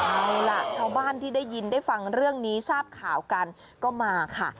เอาล่ะชาวบ้านที่ได้ยินได้ฟังเรื่องนี้ทราบข่าวกันก็มาค่ะ